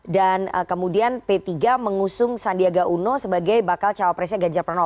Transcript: dan kemudian p tiga mengusung sandiaga uno sebagai bakal cowok presiden ganjar pranowo